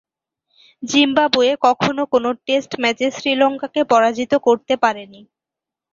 Zimbabwe কখনও কোনও test ম্যাচে শ্রীলঙ্কাকে পরাজিত করতে পারেনি।